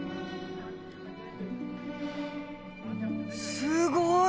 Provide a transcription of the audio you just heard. すごい！